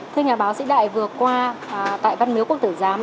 thưa nhà báo sĩ đại vừa qua tại văn miếu quốc tử giám